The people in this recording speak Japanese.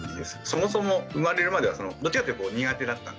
そもそも生まれるまではどっちかというと苦手だったんですけど。